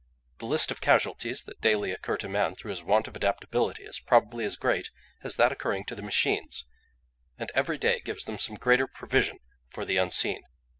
The list of casualties that daily occur to man through his want of adaptability is probably as great as that occurring to the machines; and every day gives them some greater provision for the unforeseen.